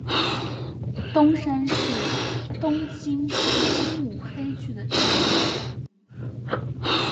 东山是东京都目黑区的地名。